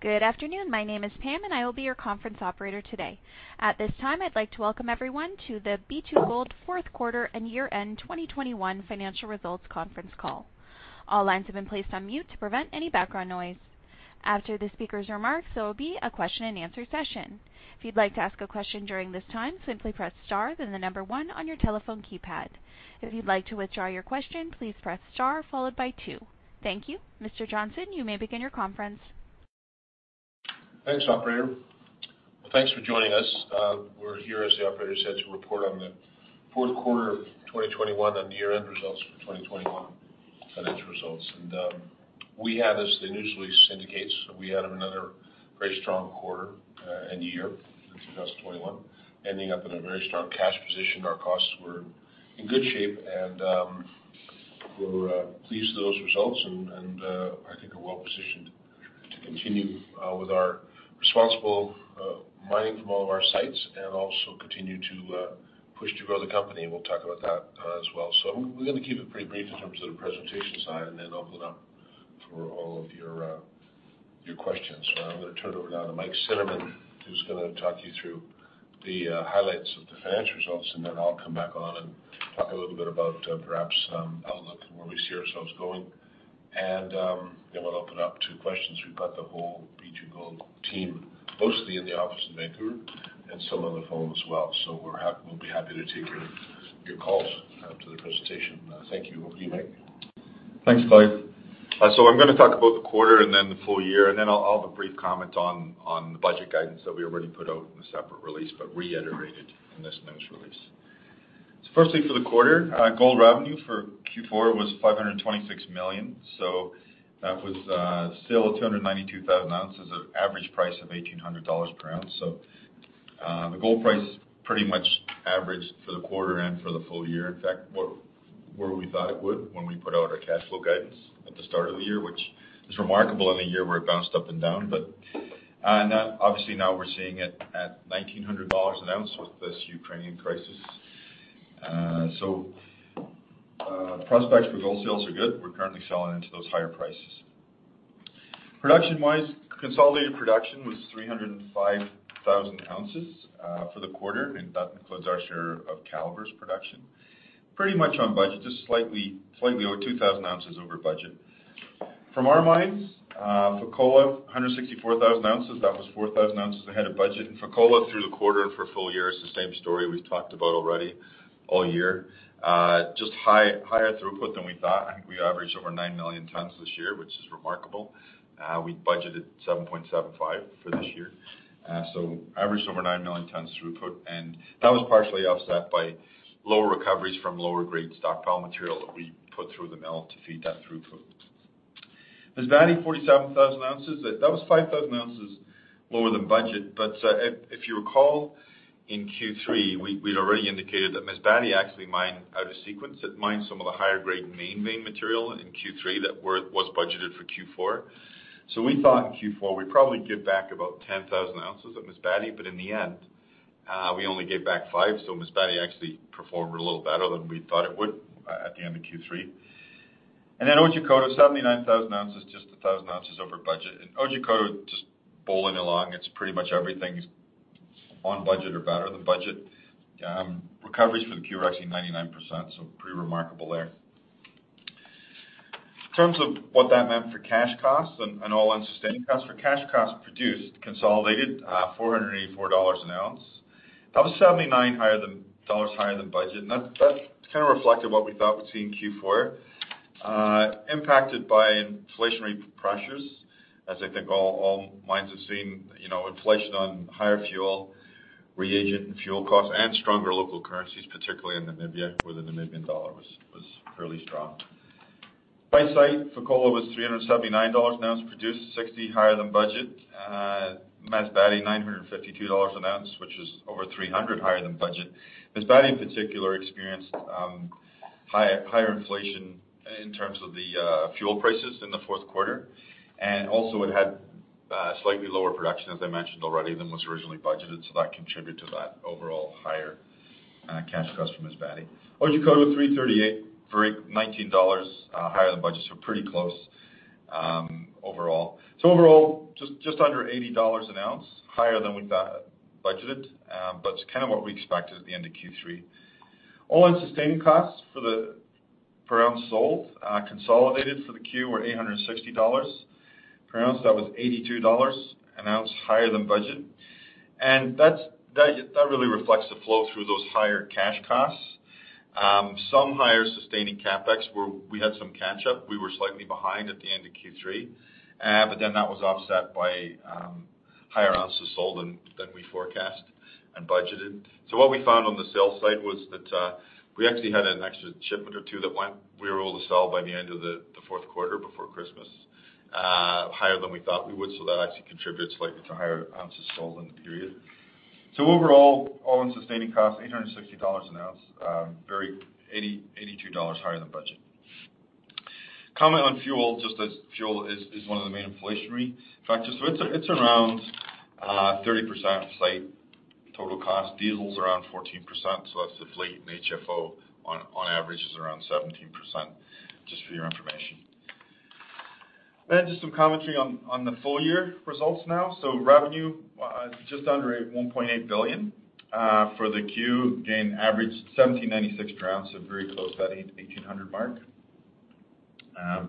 Good afternoon. My name is Pam, and I will be your conference operator today. At this time, I'd like to welcome everyone to the B2Gold 4th quarter and year-end 2021 financial results conference call. All lines have been placed on mute to prevent any background noise. After the speaker's remarks, there will be a question-and-answer session. If you'd like to ask a question during this time, simply press star, then the number one on your telephone keypad. If you'd like to withdraw your question, please press star followed by two. Thank you. Mr. Johnson, you may begin your conference. Thanks, operator. Thanks for joining us. We're here, as the operator said, to report on the 4th quarter of 2021 and the year-end results for 2021 financial results. We had, as the news release indicates, another very strong quarter and year in 2021, ending up in a very strong cash position. Our costs were in good shape, and we're pleased with those results and I think are well-positioned to continue with our responsible mining from all of our sites and also continue to push to grow the company. We'll talk about that as well. We're gonna keep it pretty brief in terms of the presentation side, and then open it up for all of your questions. I'm gonna turn it over now to Mike Cinnamond, who's gonna talk you through the highlights of the financial results, and then I'll come back on and talk a little bit about perhaps some outlook and where we see ourselves going. We'll open up to questions. We've got the whole B2Gold team, mostly in the office in Vancouver and some on the phone as well. We'll be happy to take your calls after the presentation. Thank you. Over to you, Mike. Thanks, Clive. I'm gonna talk about the quarter and then the full year, and then I'll have a brief comment on the budget guidance that we already put out in a separate release, but reiterated in this news release. Firstly, for the quarter, gold revenue for Q4 was $526 million. That was sale of 292,000 ounces at average price of $1,800 per ounce. The gold price pretty much averaged for the quarter and for the full year. In fact, where we thought it would when we put out our cash flow guidance at the start of the year, which is remarkable in a year where it bounced up and down. Obviously, now we're seeing it at $1,900 an ounce with this Ukrainian crisis. Prospects for gold sales are good. We're currently selling into those higher prices. Production-wise, consolidated production was 305,000 ounces for the quarter, and that includes our share of Calibre's production. Pretty much on budget, just slightly over 2,000 ounces over budget. From our mines, Fekola, 164,000 ounces. That was 4,000 ounces ahead of budget. Fekola through the quarter and for full year is the same story we've talked about already all year. Just higher throughput than we thought. I think we averaged over 9 million tons this year, which is remarkable. We budgeted 7.75 for this year. Averaged over 9 million tons throughput, and that was partially offset by lower recoveries from lower grade stockpile material that we put through the mill to feed that throughput. Masbate, 47,000 ounces. That was 5,000 ounces lower than budget. If you recall in Q3, we'd already indicated that Masbate actually mined out of sequence. It mined some of the higher grade main vein material in Q3 that was budgeted for Q4. We thought in Q4, we'd probably give back about 10,000 ounces at Masbate, but in the end, we only gave back 5,000. Masbate actually performed a little better than we thought it would at the end of Q3. Then Otjikoto, 79,000 ounces, just 1,000 ounces over budget. Otjikoto just bowling along. It's pretty much everything is on budget or better than budget. Recoveries for the Q are actually 99%, so pretty remarkable there. In terms of what that meant for cash costs and all-in sustaining costs. For cash costs produced, consolidated, $484 an ounce. That was $79 higher than budget. That kinda reflected what we thought we'd see in Q4, impacted by inflationary pressures, as I think all mines have seen, you know, inflation on higher fuel, reagent and fuel costs and stronger local currencies, particularly in Namibia, where the Namibian dollar was fairly strong. By site, Fekola was $379 an ounce produced, $60 higher than budget. Masbate, $952 an ounce, which is over $300 higher than budget. Masbate, in particular, experienced higher inflation in terms of the fuel prices in the 4th quarter. Also it had slightly lower production, as I mentioned already, than was originally budgeted, so that contributed to that overall higher cash cost from Masbate. Otjikoto, $338, $319 higher than budget, so pretty close overall. Overall, just under $80 an ounce higher than we'd budgeted, but it's kind of what we expected at the end of Q3. All-in sustaining costs per ounce sold, consolidated for the Q were $860 per ounce. That was $82 an ounce higher than budget. That really reflects the flow through those higher cash costs. Some higher sustaining CapEx. We had some catch up. We were slightly behind at the end of Q3. That was offset by higher ounces sold than we forecast and budgeted. What we found on the sales side was that we actually had an extra shipment or two. We were able to sell by the end of the 4th quarter before Christmas higher than we thought we would. That actually contributed slightly to higher ounces sold in the period. Overall, all-in sustaining costs $860 an ounce, $82 higher than budget. Comment on fuel, just as fuel is one of the main inflationary factors. It's around 30% of site total cost, diesel is around 14%, that's the fleet, and HFO on average is around 17%, just for your information. Just some commentary on the full year results now. Revenue just under $1.8 billion for the year, again, average $1,796/oz, so very close to that $1,800 mark.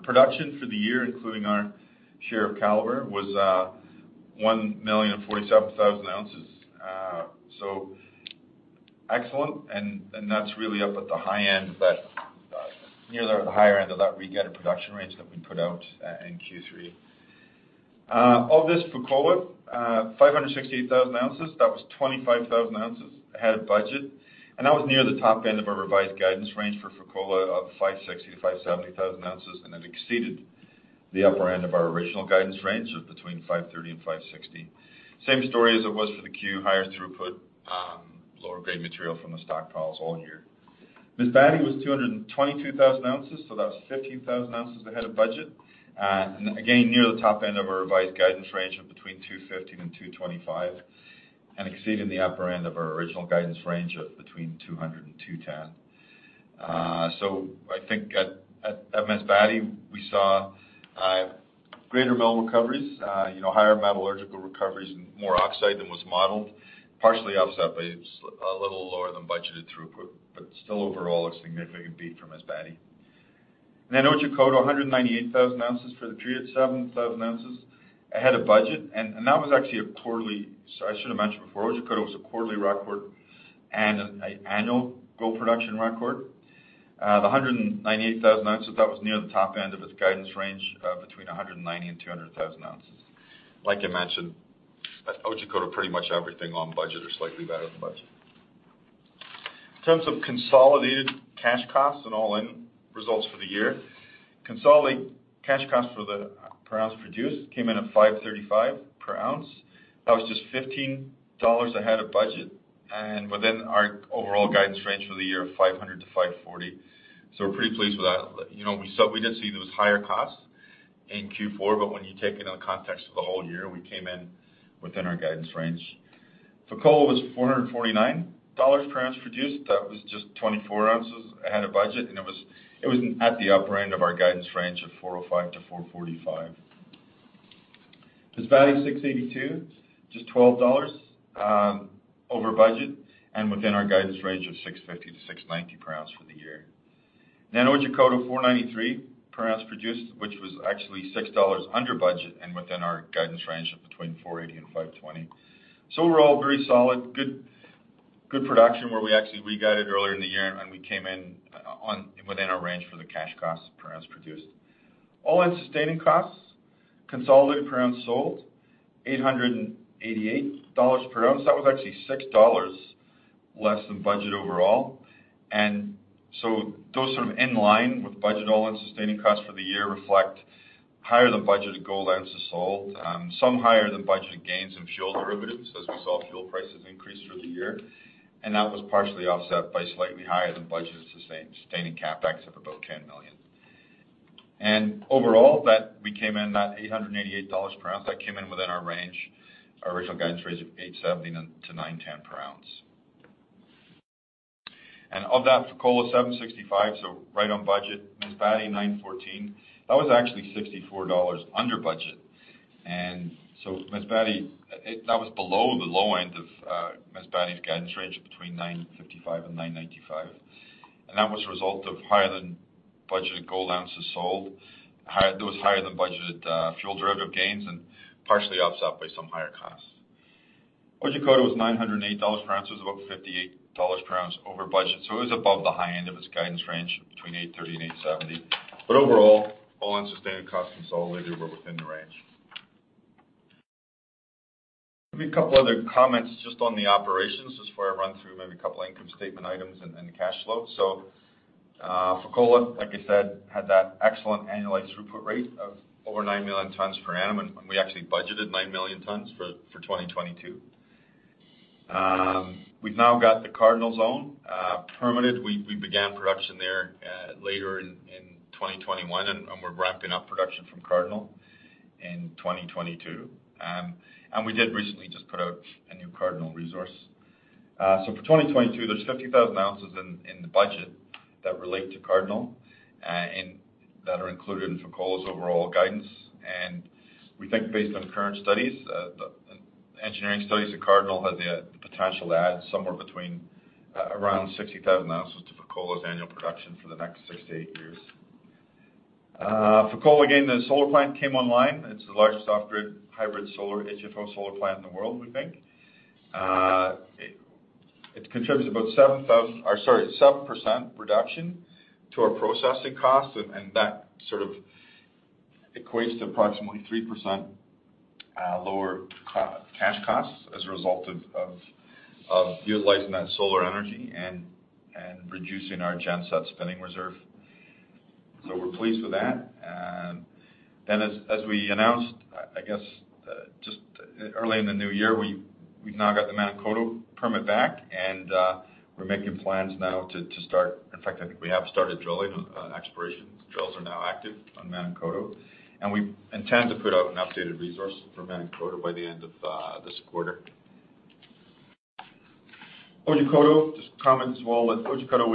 Production for the year, including our share of Calibre, was 1,047,000 ounces. Excellent, and that's really up at the high end of that, near the higher end of that guided production range that we put out in Q3. For Fekola, 568,000 ounces, that was 25,000 ounces ahead of budget. That was near the top end of our revised guidance range for Fekola of 560,000-570,000 ounces, and it exceeded the upper end of our original guidance range of between 530,000 and 560,000. Same story as it was for the Q, higher throughput, lower grade material from the stockpiles all year. Masbate was 222,000 ounces, so that was 15,000 ounces ahead of budget. Again, near the top end of our revised guidance range of between 215,000 and 225,000, and exceeding the upper end of our original guidance range of between 200,000 and 210,000. So I think at Masbate, we saw greater metal recoveries, you know, higher metallurgical recoveries and more oxide than was modeled, partially offset by a little lower than budgeted throughput, but still overall a significant beat from Masbate. Then Otjikoto, 198,000 ounces for the period, 7,000 ounces ahead of budget. That was actually a quarterly so I should have mentioned before, Otjikoto was a quarterly record and annual gold production record. The 198,000 ounces, that was near the top end of its guidance range of between 190,000 and 200,000 ounces. Like I mentioned, at Otjikoto, pretty much everything on budget or slightly better than budget. In terms of consolidated cash costs and all-in results for the year, consolidated cash costs for the per ounce produced came in at $535 per ounce. That was just $15 ahead of budget and within our overall guidance range for the year of $500-$540. We're pretty pleased with that. You know, we did see those higher costs in Q4, but when you take it in the context of the whole year, we came in within our guidance range. Fekola was $449 per ounce produced. That was just $24 ahead of budget, and it was at the upper end of our guidance range of $405-$445. Masbate, $682, just $12 over budget and within our guidance range of $650-$690 per ounce for the year. Otjikoto, $493 per ounce produced, which was actually $6 under budget and within our guidance range of between $480 and $520. Overall, very solid, good production where we actually re-guided earlier in the year, and we came in within our range for the cash costs per ounce produced. All-in sustaining costs, consolidated per ounce sold, $888 per ounce. That was actually $6 less than budget overall. Those sort of in line with budget all-in sustaining costs for the year reflect higher than budgeted gold ounces sold, some higher than budgeted gains in fuel derivatives as we saw fuel prices increase through the year. That was partially offset by slightly higher than budgeted sustaining CapEx of about $10 million. Overall, we came in at $888 per ounce. That came in within our range, our original guidance range of $870-$910 per ounce. Of that, Fekola, $765, so right on budget. Masbate, $914. That was actually $64 under budget. Masbate was below the low end of Masbate's guidance range of between $955 and $995. That was a result of higher than budgeted gold ounces sold, high... It was higher than budgeted, fuel derivative gains and partially offset by some higher costs. Otjikoto was $908 per ounce. It was about $58 per ounce over budget. It was above the high end of its guidance range of between $830 and $870. Overall, all in sustaining costs consolidated were within the range. Maybe a couple other comments just on the operations before I run through maybe a couple income statement items and the cash flow. Fekola, like I said, had that excellent annualized throughput rate of over 9 million tons per annum, and we actually budgeted 9 million tons for 2022. We've now got the Cardinal Zone permitted. We began production there later in 2021, and we're ramping up production from Cardinal in 2022. We did recently just put out a new Cardinal resource. For 2022, there's 50,000 ounces in the budget that relate to Cardinal, and that are included in Fekola's overall guidance. We think based on current studies, the engineering studies at Cardinal has the potential to add somewhere between around 60,000 ounces to Fekola's annual production for the next six to eight years. Fekola, again, the solar plant came online. It's the largest off-grid hybrid solar HFO solar plant in the world, we think. It contributes about 7,000, or sorry, 7% reduction to our processing costs, and that sort of equates to approximately 3% lower cash costs as a result of utilizing that solar energy and reducing our genset spinning reserve. We're pleased with that. As we announced just early in the new year, we've now got the Menankoto permit back. In fact, I think we have started drilling on exploration. Drills are now active on Menankoto, and we intend to put out an updated resource for Menankoto by the end of this quarter. Otjikoto, just comments. Well, at Otjikoto,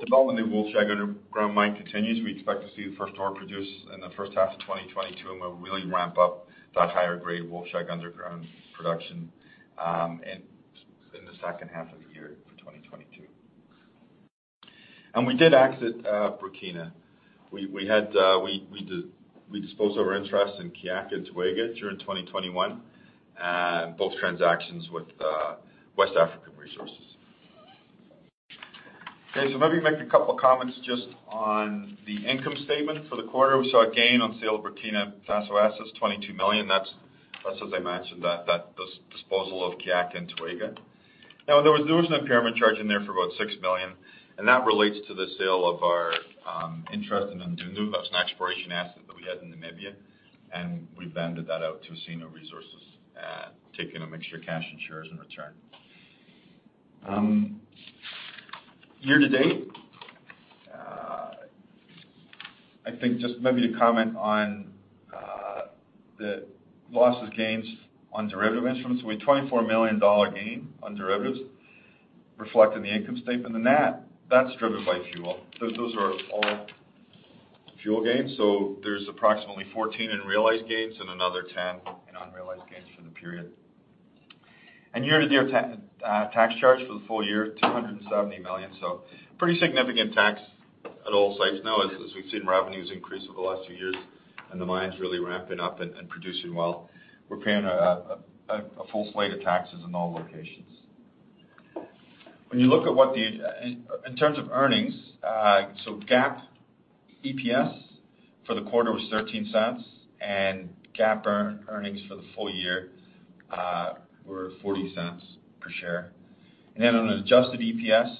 development in the Wolfshag underground mine continues. We expect to see the first ore produced in the first half of 2022, and we'll really ramp up that higher grade Wolfshag underground production in the second half of the year for 2022. We did exit Burkina Faso. We disposed of our interest in Kiaka and Toega during 2021, both transactions with West African Resources. Okay. Let me make a couple comments just on the income statement for the quarter. We saw a gain on sale of Burkina Faso assets, $22 million. That's as I mentioned, this disposal of Kiaka and Toega. Now, there was an impairment charge in there for about $6 million, and that relates to the sale of our interest in Ondundu. That was an exploration asset that we had in Namibia, and we vended that out to Osino Resources, taking a mixture of cash and shares in return. Year to date, I think just maybe to comment on the losses, gains on derivative instruments. We had $24 million gain on derivatives reflecting the income statement, and that's driven by fuel. Those are all fuel gains. So there's approximately 14 in realized gains and another 10 in unrealized gains for the period. Year-to-date tax charge for the full year, $270 million. Pretty significant tax at all sites now as we've seen revenues increase over the last few years and the mines really ramping up and producing well. We're paying a full slate of taxes in all locations. When you look at what the in terms of earnings, GAAP EPS for the quarter was $0.13, and GAAP earnings for the full year were $0.40 per share. On an adjusted EPS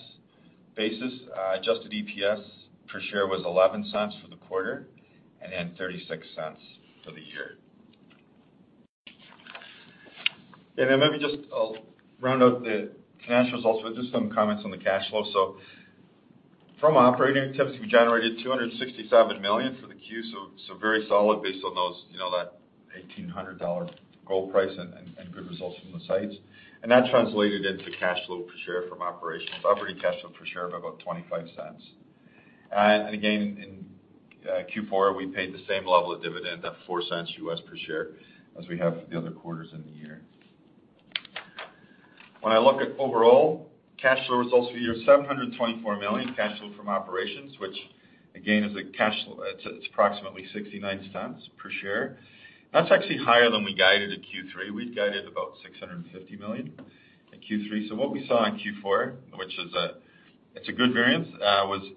basis, adjusted EPS per share was $0.11 for the quarter and then $0.36 for the year. Maybe just I'll round out the cash results with just some comments on the cash flow. From operating activities, we generated $267 million for the Q. Very solid based on those, you know, that $1,800 gold price and good results from the sites. That translated into cash flow per share from operations, operating cash flow per share of about $0.25. Again, in Q4, we paid the same level of dividend at $0.04 per share as we have for the other quarters in the year. When I look at overall cash flow results for the year, $724 million cash flow from operations, which again is cash flow. It's approximately $0.69 per share. That's actually higher than we guided at Q3. We'd guided about $650 million in Q3. What we saw in Q4, which is a good variance, was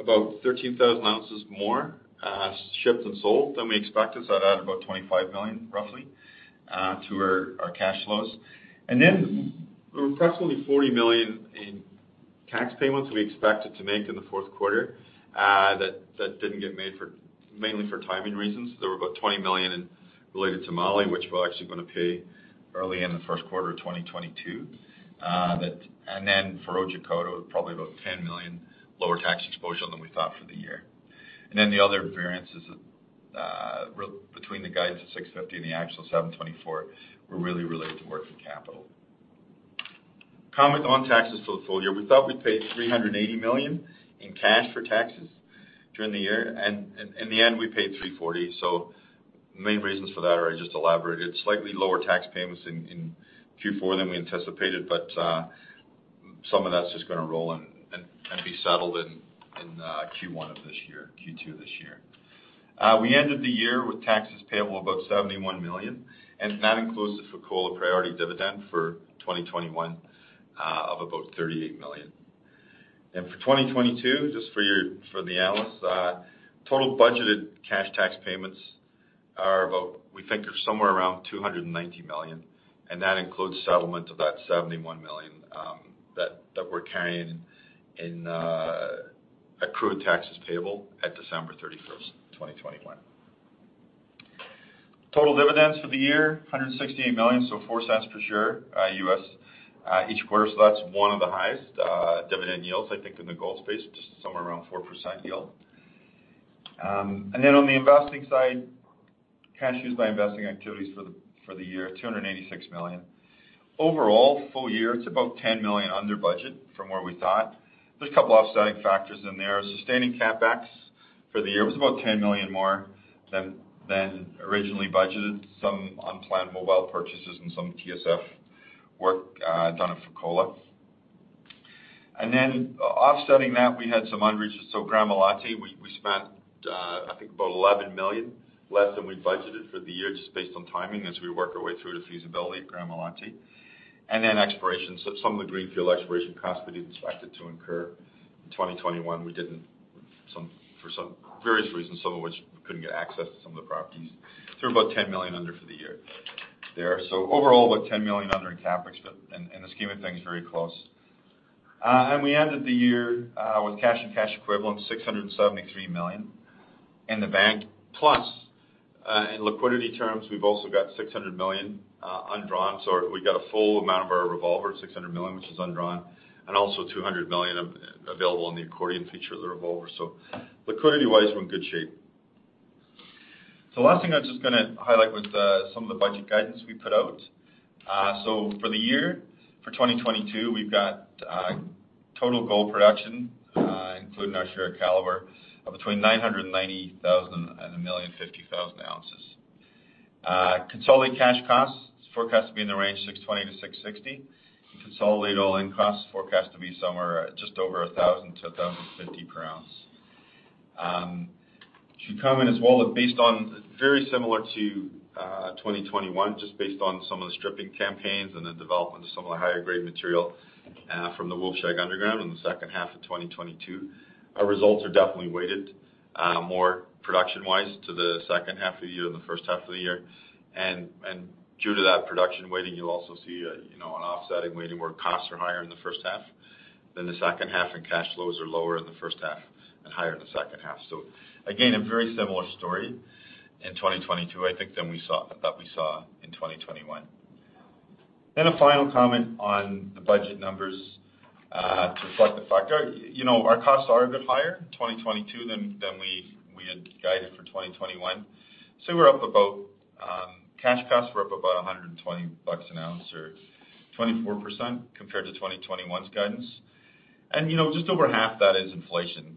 about 13,000 ounces more shipped and sold than we expected. That added about $25 million roughly to our cash flows. There were approximately $40 million in tax payments we expected to make in the 4th quarter that didn't get made mainly for timing reasons. There were about $20 million related to Mali, which we're actually gonna pay early in the 1st quarter of 2022. That, and then for Otjikoto, probably about $10 million lower tax exposure than we thought for the year. Then the other variances between the guidance of 650 and the actual 724 were really related to working capital. Comment on taxes for the full year. We thought we'd pay $380 million in cash for taxes during the year, and in the end, we paid $340. Main reasons for that are, I just elaborated, slightly lower tax payments in Q4 than we anticipated, but some of that's just gonna roll and be settled in Q1 of this year, Q2 this year. We ended the year with taxes payable, about $71 million, and that includes the Fekola priority dividend for 2021 of about $38 million. For 2022, just for the analysts, total budgeted cash tax payments are about, we think are somewhere around $290 million, and that includes settlement of that $71 million that we're carrying in accrued taxes payable at December 31, 2021. Total dividends for the year, $168 million, so $0.04 per share US each quarter. That's one of the highest dividend yields, I think, in the gold space, just somewhere around 4% yield. Then on the investing side, cash used by investing activities for the year, $286 million. Overall, full year, it's about $10 million under budget from where we thought. There's a couple of offsetting factors in there. Sustaining CapEx for the year was about $10 million more than originally budgeted. Some unplanned mobile purchases and some TSF work done at Fekola. Offsetting that, we had some under. Gramalote, we spent, I think about $11 million less than we budgeted for the year just based on timing as we work our way through to feasibility at Gramalote. Exploration. Some of the greenfield exploration costs we didn't expect to incur in 2021, we didn't. For some various reasons, some of which we couldn't get access to some of the properties. Total about $10 million under for the year there. Overall, about $10 million under in CapEx, but in the scheme of things, very close. We ended the year with cash and cash equivalents, $673 million in the bank, plus in liquidity terms, we've also got $600 million undrawn. We've got a full amount of our revolver, $600 million, which is undrawn, and also $200 million available in the accordion feature of the revolver. Liquidity-wise, we're in good shape. Last thing I'm just gonna highlight was some of the budget guidance we put out. For the year, for 2022, we've got total gold production, including our share of Calibre, of between 990,000 and 1,050,000 ounces. Consolidated cash costs forecast to be in the range $620-$660. Consolidated all-in costs forecast to be somewhere just over $1,000-$1,050 per ounce. Should come in as well based on very similar to 2021, just based on some of the stripping campaigns and the development of some of the higher grade material from the Wolfshag underground in the second half of 2022. Our results are definitely weighted more production-wise to the second half of the year than the first half of the year. Due to that production weighting, you'll also see, you know, an offsetting weighting where costs are higher in the first half than the second half, and cash flows are lower in the first half and higher in the second half. Again, a very similar story in 2022, I think, than we saw in 2021. A final comment on the budget numbers to reflect the factor. You know, our costs are a bit higher in 2022 than we had guided for 2021. We're up about cash costs were up about $120/oz or 24% compared to 2021's guidance. You know, just over half that is inflation.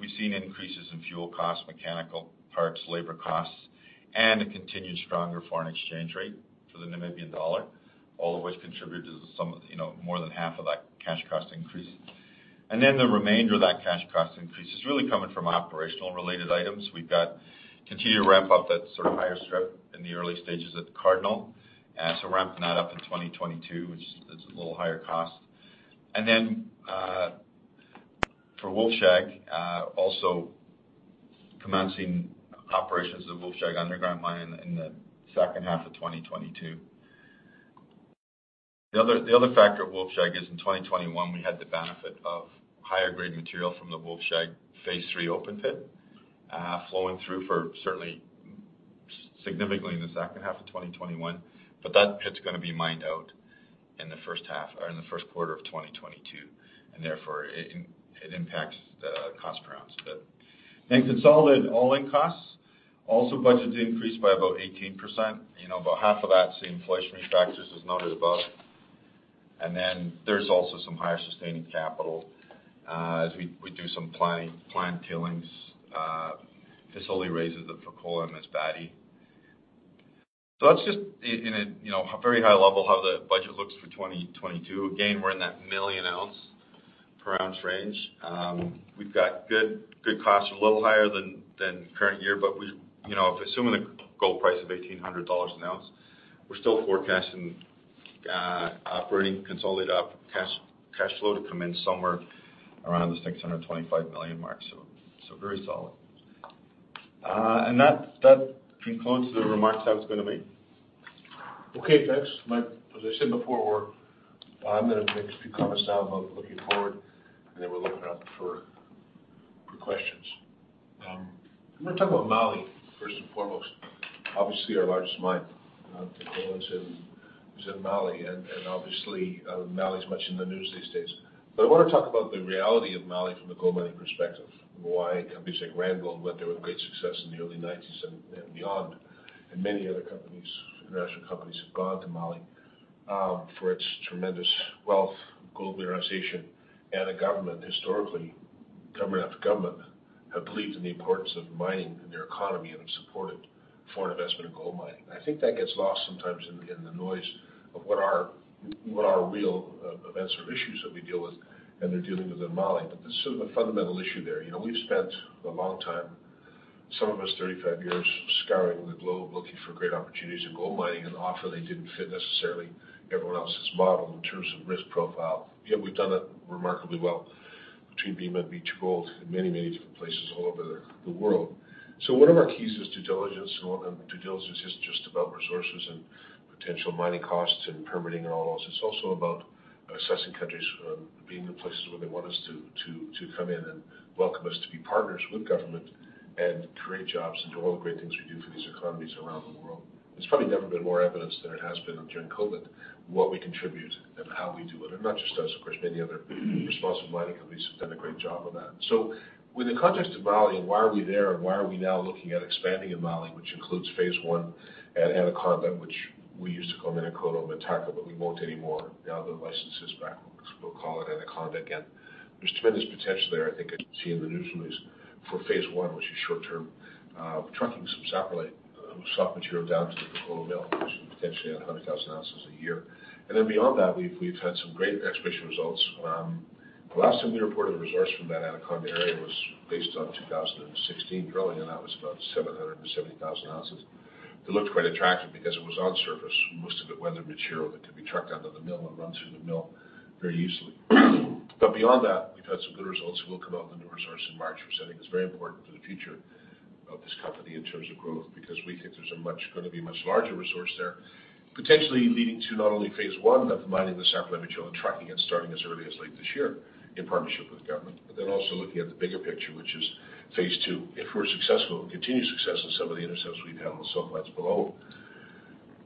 We've seen increases in fuel costs, mechanical parts, labor costs, and a continued stronger foreign exchange rate for the Namibian dollar, all of which contribute to some, you know, more than half of that cash cost increase. Then the remainder of that cash cost increase is really coming from operational related items. We've got continued ramp up that sort of higher strip in the early stages at the Cardinal. So ramping that up in 2022, which is a little higher cost. For Wolfshag, also commencing operations of Wolfshag underground mine in the second half of 2022. The other factor at Wolfshag is in 2021, we had the benefit of higher grade material from the Wolfshag phase 3 open pit, flowing through certainly significantly in the second half of 2021. But that pit's gonna be mined out in the first half or in the 1st quarter of 2022, and therefore, it impacts the cost per ounce a bit. In consolidated all-in costs, also budget did increase by about 18%. You know, about half of that same inflationary factors as noted above. There's also some higher sustaining capital, as we do some planning, plant kilns, facility raises at Fekola and Masbate. That's just in a, you know, very high level how the budget looks for 2022. Again, we're in that million ounce per year range. We've got good costs, a little higher than current year, but we, you know, if assuming the gold price of $1,800 an ounce, we're still forecasting operating consolidated operating cash flow to come in somewhere around the $625 million mark. Very solid. That concludes the remarks I was gonna make. Okay, thanks. As I said before, I'm gonna make a few comments now about looking forward, and then we'll open up for questions. I'm gonna talk about Mali first and foremost, obviously our largest mine is in Mali, and obviously, Mali is much in the news these days. I wanna talk about the reality of Mali from the gold mining perspective, and why companies like Randgold went there with great success in the early nineties and beyond. Many other companies, international companies, have gone to Mali for its tremendous wealth of gold mineralization. The government, historically, government after government, have believed in the importance of mining in their economy and have supported foreign investment in gold mining. I think that gets lost sometimes in the noise of what our real events or issues that we deal with, and they're dealing with in Mali. There's sort of a fundamental issue there. You know, we've spent a long time, some of us 35 years, scouring the globe looking for great opportunities in gold mining, and often they didn't fit necessarily everyone else's model in terms of risk profile. Yet we've done it remarkably well between Bema and B2Gold in many, many different places all over the world. One of our keys is due diligence, and due diligence isn't just about resources and potential mining costs and permitting and all else. It's also about assessing countries, being the places where they want us to come in and welcome us to be partners with government and create jobs and do all the great things we do for these economies around the world. There's probably never been more evidence than there has been during COVID, what we contribute and how we do it. Not just us, of course, many other responsible mining companies have done a great job of that. With the context of Mali, and why are we there, and why are we now looking at expanding in Mali, which includes phase one at Anaconda, which we used to call Menankoto, but we won't anymore. Now the license is back, we'll call it Anaconda again. There's tremendous potential there, I think, as you can see in the news release for phase one, which is short term, trucking some saprolite, soft material down to the Fekola mill, which is potentially 100,000 ounces a year. Beyond that, we've had some great exploration results. The last time we reported the resource from that Anaconda area was based on 2016 drilling, and that was about 770,000 ounces. It looked quite attractive because it was on surface, most of it weathered material that could be trucked down to the mill and run through the mill very easily. Beyond that, we've had some good results. We'll come out with a new resource in March. We're saying it's very important for the future of this company in terms of growth, because we think there's gonna be a much larger resource there, potentially leading to not only phase one of mining the saprolite material and trucking and starting as early as late this year in partnership with government, but then also looking at the bigger picture, which is phase two. If we're successful and continue success in some of the intercepts we've had on the sulfides below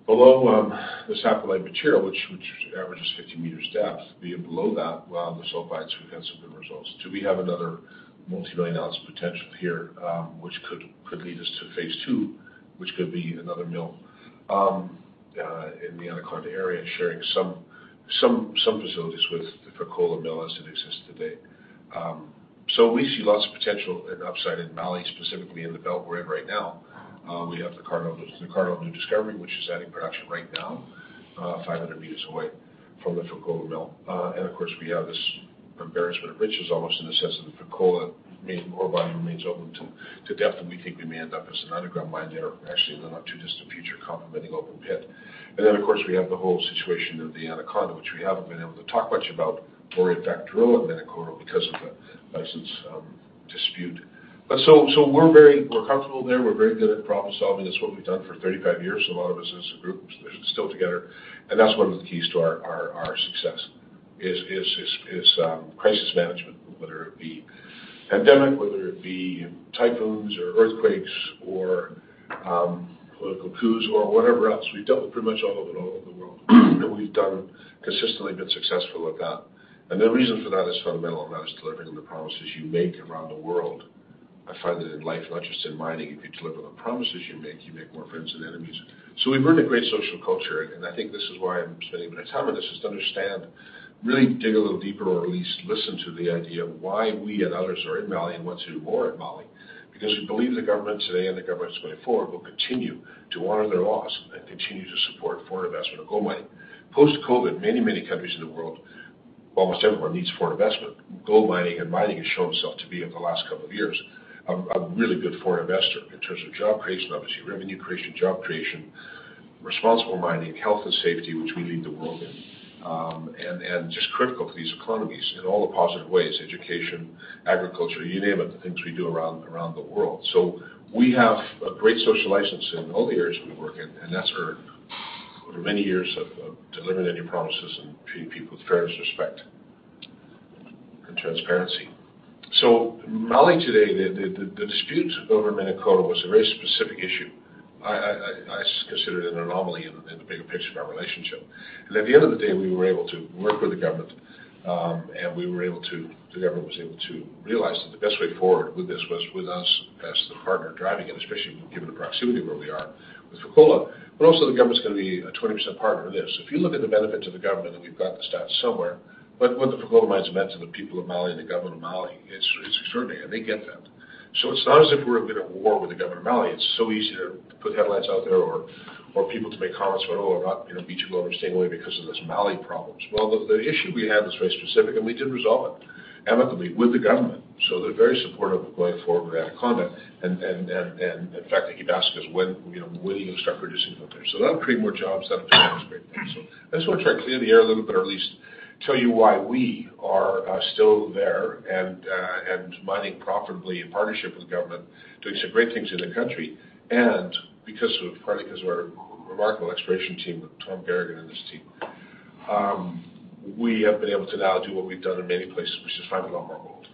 the saprolite material which averages 50 meters depth, below that, well, the sulfides we've had some good results. Do we have another multi-million-ounce potential here, which could lead us to phase two, which could be another mill in the Anaconda area and sharing some facilities with the Fekola mill as it exists today. We see lots of potential and upside in Mali, specifically in the belt we're in right now. We have the Cardinal new discovery, which is adding production right now, 500 meters away from the Fekola mill. Of course, we have this embarrassment of riches, almost in a sense, that the Fekola main ore body remains open to depth, and we think we may end up as an underground mine there, actually in the not too distant future complementing open pit. Then, of course, we have the whole situation of the Anaconda, which we haven't been able to talk much about or in fact, drill at Menankoto because of a license dispute. We're comfortable there. We're very good at problem-solving. It's what we've done for 35 years. A lot of us as a group, we're still together, and that's one of the keys to our success is crisis management, whether it be pandemic, whether it be typhoons or earthquakes or political coups or whatever else. We've dealt with pretty much all of it all over the world. We've consistently been successful at that. The reason for that is fundamental, and that is delivering on the promises you make around the world. I find that in life, not just in mining, if you deliver the promises you make, you make more friends than enemies. We've earned a great social culture, and I think this is why I'm spending a bit of time on this, is to understand, really dig a little deeper or at least listen to the idea of why we and others are in Mali and want to do more in Mali. Because we believe the government today and the government that's going forward will continue to honor their laws and continue to support foreign investment and gold mining. Post-COVID, many, many countries in the world, almost everyone needs foreign investment. Gold mining has shown itself to be over the last couple of years a really good foreign investor in terms of job creation, obviously, revenue creation, job creation, responsible mining, health and safety, which we lead the world in, and just critical to these economies in all the positive ways, education, agriculture, you name it, the things we do around the world. We have a great social license in all the areas we work in, and that's earned over many years of delivering on your promises and treating people with fairness, respect, and transparency. Mali today, the dispute over Menankoto was a very specific issue. I considered it an anomaly in the bigger picture of our relationship. At the end of the day, we were able to work with the government. The government was able to realize that the best way forward with this was with us as the partner driving it, especially given the proximity where we are with Fekola. Also, the government's gonna be a 20% partner in this. If you look at the benefit to the government, and we've got the stats somewhere, but what the Fekola mine's meant to the people of Mali and the government of Mali, it's extraordinary, and they get that. It's not as if we're a bit at war with the government of Mali. It's so easy to put headlines out there or people to make comments about, "Oh, not gonna be too global. We're staying away because of those Mali problems." Well, the issue we had was very specific, and we did resolve it amicably with the government. They're very supportive of going forward with Anaconda. In fact, they keep asking us when, you know, "When are you gonna start producing up there?" That'll create more jobs. That'll create things. I just wanna try to clear the air a little bit or at least tell you why we are still there and mining profitably in partnership with the government, doing some great things in the country. Partly because of our remarkable exploration team with Tom Garagan and his team, we have been able to now do what we've done in many places, which is find a lot more gold.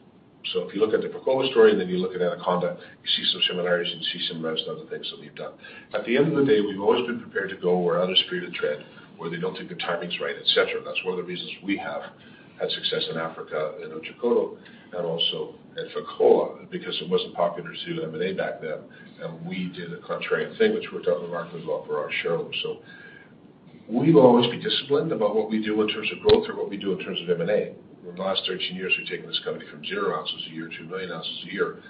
If you look at the Fekola story, then you look at Anaconda, you see some similarities, you see some resemblance to other things that we've done. At the end of the day, we've always been prepared to go where others fear to tread, where they don't think the timing's right, et cetera. That's one of the reasons we have had success in Africa, in Oyu Tolgoi, and also at Fekola, because it wasn't popular to do M&A back then. We did a contrarian thing which worked out remarkably well for our shareholders. We will always be disciplined about what we do in terms of growth or what we do in terms of M&A. Over the last 13 years, we've taken this company from zero ounces a year to 1 million ounces a year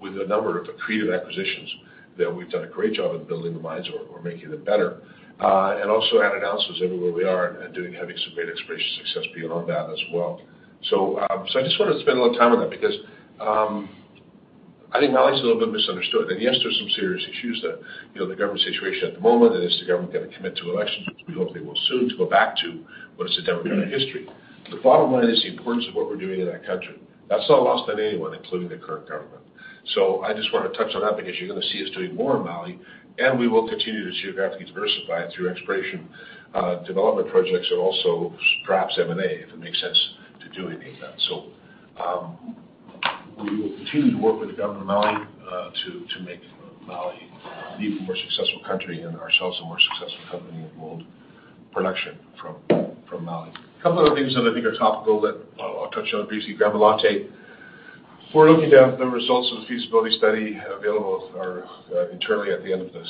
with a number of accretive acquisitions that we've done a great job of building the mines or making them better, and also adding ounces everywhere we are and having some great exploration success beyond that as well. I just wanted to spend a little time on that because I think Mali's a little bit misunderstood. Yes, there's some serious issues that, you know, the government situation at the moment, and is the government gonna commit to elections, which we hope they will soon, to go back to what is the democratic history. The bottom line is the importance of what we're doing in that country. That's not lost on anyone, including the current government. I just wanna touch on that because you're gonna see us doing more in Mali, and we will continue to geographically diversify through exploration, development projects and also perhaps M&A, if it makes sense to do any of that. We will continue to work with the government of Mali to make Mali an even more successful country and ourselves a more successful company in gold production from Mali. A couple other things that I think are topical that I'll touch on briefly. Gramalote. We're looking to have the results of the feasibility study available internally at the end of the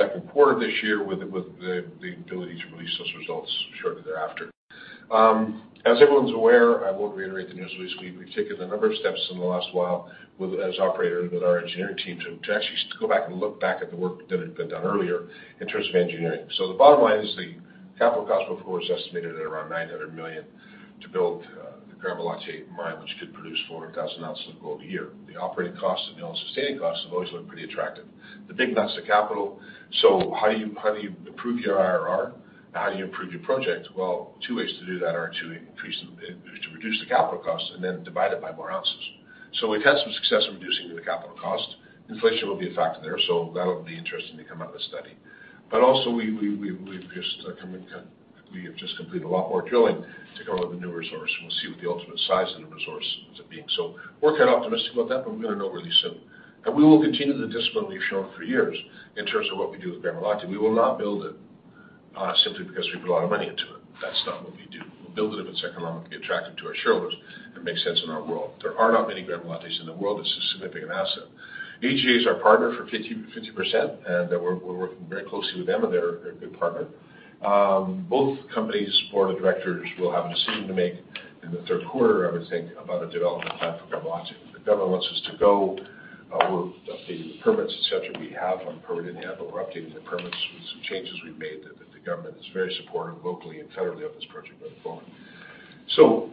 2nd quarter of this year with the ability to release those results shortly thereafter. As everyone's aware, I won't reiterate the news release. We've taken a number of steps in the last while with we worked with our engineering team to actually go back and look at the work that had been done earlier in terms of engineering. The bottom line is the capital cost before is estimated at around $900 million to build the Gramalote mine, which could produce 400,000 ounces of gold a year. The operating costs and all-in sustaining costs have always looked pretty attractive. The big nut is capital. How do you improve your IRR? How do you improve your project? Well, two ways to do that are to reduce the capital cost and then divide it by more ounces. We've had some success in reducing the capital cost. Inflation will be a factor there, so that'll be interesting to come out of the study. Also, we've just come and kind of... We have just completed a lot more drilling to go with the new resource, and we'll see what the ultimate size of the resource ends up being. We're kind of optimistic about that, but we're gonna know really soon. We will continue the discipline we've shown for years in terms of what we do with Gramalote. We will not build it simply because we put a lot of money into it. That's not what we do. We'll build it if it's economically attractive to our shareholders and makes sense in our world. There are not many Gramalotes in the world. This is a significant asset. AGA is our partner for 50/50, and we're working very closely with them, and they're a good partner. Both companies' board of directors will have a decision to make in the 3rd quarter, I would think, about a development plan for Gramalote. If the government wants us to go, we'll update the permits, et cetera. We're updating the permits with some changes we've made that the government is very supportive locally and federally of this project going forward.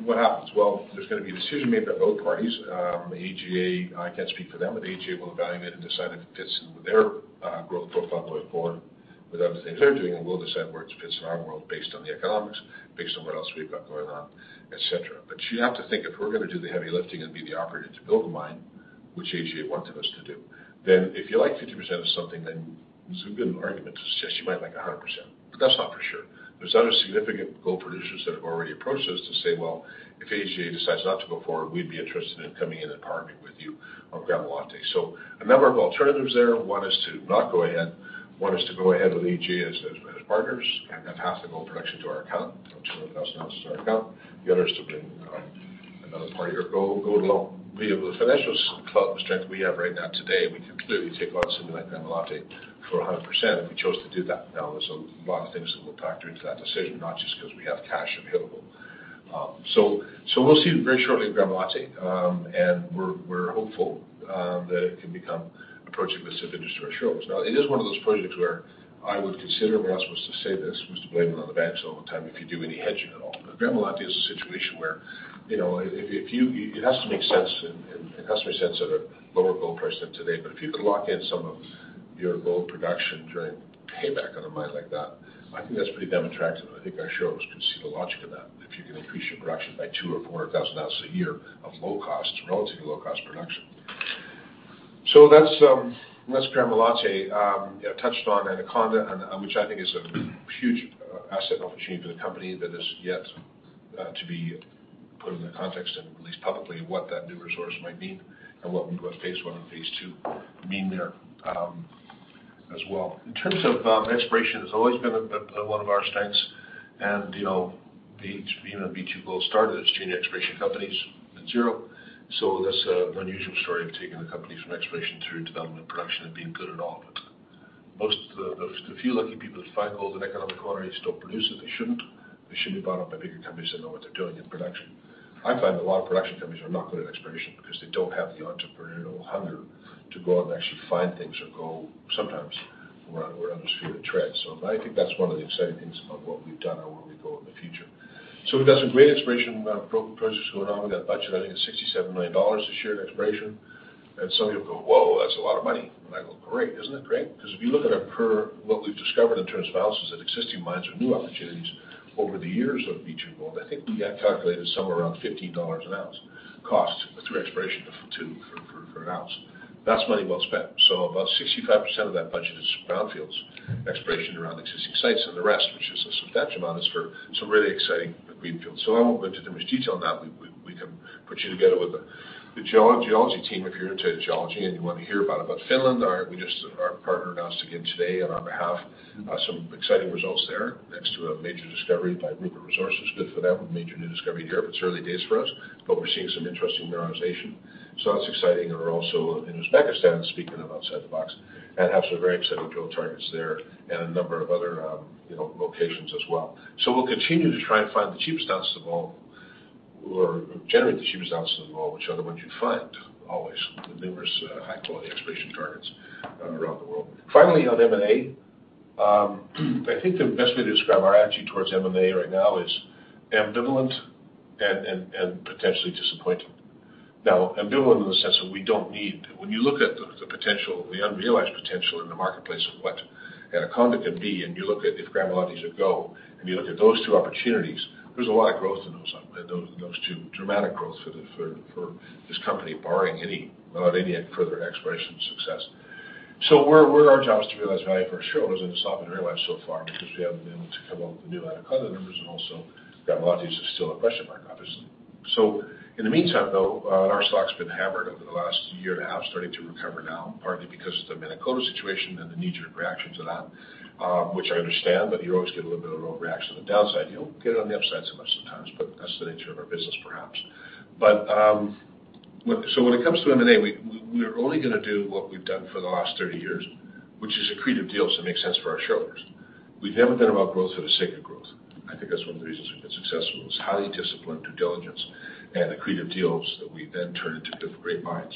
What happens? Well, there's gonna be a decision made by both parties. AGA, I can't speak for them, but AGA will evaluate and decide if it fits in with their growth profile going forward with other things they're doing, and we'll decide where it fits in our world based on the economics, based on what else we've got going on, et cetera. You have to think, if we're gonna do the heavy lifting and be the operator to build the mine, which AGA wanted us to do, then if you like 50% of something, then there's a good argument to suggest you might like 100%, but that's not for sure. There's other significant gold producers that have already approached us to say, "Well, if AGA decides not to go forward, we'd be interested in coming in and partnering with you on Gramalote." A number of alternatives there. One is to not go ahead. One is to go ahead with AGA as partners and have half the gold production to our account, 200,000 ounces to our account. The other is to bring another party or go it alone. We have the financial clout and strength we have right now today, and we can clearly take on something like Gramalote for 100% if we chose to do that. Now, there's a lot of things that we'll factor into that decision, not just 'cause we have cash available. We'll see very shortly with Gramalote. We're hopeful that it can become approaching this if it is to our shareholders. Now, it is one of those projects where I would consider, and we're not supposed to say this, we're supposed to blame it on the banks all the time if you do any hedging at all. Gramalote is a situation where, you know, if you, it has to make sense and it has to make sense at a lower gold price than today. If you could lock in some of your gold production during payback on a mine like that, I think that's pretty damn attractive, and I think our shareholders could see the logic in that if you can increase your production by 200,000 or 400,000 ounces a year of low cost, relatively low-cost production. That's Gramalote, you know, touched on Anaconda, which I think is a huge asset and opportunity to the company that is yet to be put into context and released publicly, what that new resource might mean and what we go with phase one and phase two mean there as well. In terms of exploration, it's always been one of our strengths. You know, B2Gold started as junior exploration companies at zero. That's an unusual story of taking the company from exploration through development, production and being good at all of it. Most of the few lucky people that find gold in economic quantities don't produce it. They shouldn't. They should be bought up by bigger companies that know what they're doing in production. I find that a lot of production companies are not good at exploration because they don't have the entrepreneurial hunger to go out and actually find things or go sometimes where others fear to tread. I think that's one of the exciting things about what we've done and where we go in the future. We've got some great exploration programs going on. We've got a budget, I think it's $67 million this year in exploration. Some of you will go, "Whoa, that's a lot of money." I go, "Great. Isn't it great?" 'Cause if you look at our what we've discovered in terms of ounces at existing mines or new opportunities over the years of B2Gold, I think we got calculated somewhere around $15 an ounce cost through exploration to for an ounce. That's money well spent. About 65% of that budget is brownfields exploration around existing sites, and the rest, which is a substantial amount, is for some really exciting greenfields. I won't go into too much detail on that. We can put you together with the geology team if you're into geology, and you want to hear about it. But Finland, our, we just, our partner announced again today on our behalf, some exciting results there next to a major discovery by Rupert Resources. Good for them, a major new discovery there, but it's early days for us. We're seeing some interesting mineralization. That's exciting. We're also in Uzbekistan, speaking of outside the box, and have some very exciting drill targets there and a number of other, you know, locations as well. We'll continue to try and find the cheapest ounces of gold or generate the cheapest ounces of gold, which are the ones you find always with numerous, high-quality exploration targets around the world. Finally, on M&A, I think the best way to describe our attitude towards M&A right now is ambivalent and potentially disappointing. Now, ambivalent in the sense that we don't need. When you look at the potential, the unrealized potential in the marketplace of what Anaconda could be, and you look at if Gramalote should go, and you look at those two opportunities, there's a lot of growth in those two, dramatic growth for this company, without any further exploration success. Where our job is to realize value for our shareholders, and it's not been realized so far because we haven't been able to come up with the new Anaconda numbers and also Gramalote's still a question mark, obviously. In the meantime, though, and our stock's been hammered over the last year and a half, starting to recover now, partly because of the Menankoto situation and the knee-jerk reaction to that, which I understand, but you always get a little bit of overreaction on the downside. You don't get it on the upside so much sometimes, but that's the nature of our business, perhaps. When it comes to M&A, we're only gonna do what we've done for the last 30 years, which is accretive deals that make sense for our shareholders. We've never been about growth for the sake of growth. I think that's one of the reasons we've been successful is highly disciplined due diligence and accretive deals that we then turn into great mines